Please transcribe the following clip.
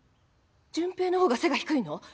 潤平の方が背が低いの？